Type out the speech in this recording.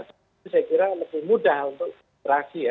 itu saya kira lebih mudah untuk beraksi ya